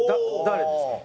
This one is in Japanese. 誰ですか？